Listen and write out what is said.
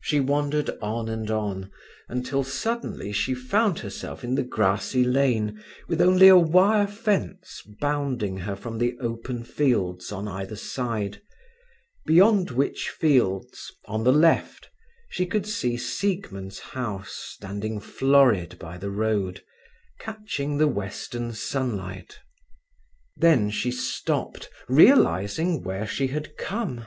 She wandered on and on, until suddenly she found herself in the grassy lane with only a wire fence bounding her from the open fields on either side, beyond which fields, on the left, she could see Siegmund's house standing florid by the road, catching the western sunlight. Then she stopped, realizing where she had come.